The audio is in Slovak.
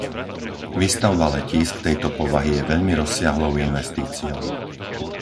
Výstavba letísk tejto povahy je veľmi rozsiahlou investíciou.